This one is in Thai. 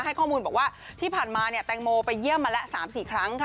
ให้ข้อมูลบอกว่าที่ผ่านมาเนี่ยแตงโมไปเยี่ยมมาแล้ว๓๔ครั้งค่ะ